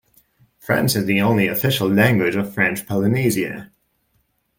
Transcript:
French is the only official language of French Polynesia.